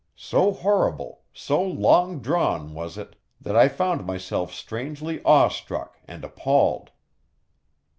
So horrible, so long drawn was it, that I found myself strangely awe struck and appalled.